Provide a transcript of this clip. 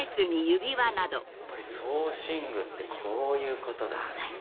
やっぱり装身具ってこういうことだ。